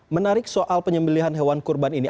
menarik soal penyembelian hewan kurban ini